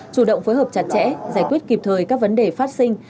chủ động phối hợp chặt chẽ giải quyết kịp thời các vấn đề phát sinh